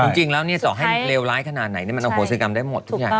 จริงแล้วต่อให้เลวร้ายขนาดไหนมันอโหสิกรรมได้หมดทุกอย่าง